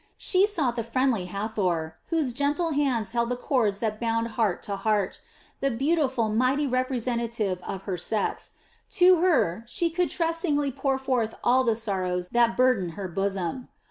She sought the friendly Hathor, whose gentle hands held the cords that bound heart to heart, the beautiful mighty representative of her sex to her she could trustingly pour forth all the sorrows that burdened her bosom.